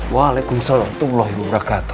waalaikumsalam warahmatullahi wabarakatuh